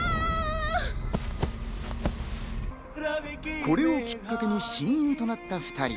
これをきっかけに親友となった２人。